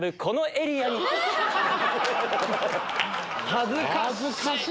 恥ずかしい！